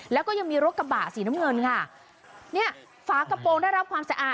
แล้วก็ยังมีรถกระบะสีน้ำเงินค่ะเนี่ยฝากระโปรงได้รับความสะอาด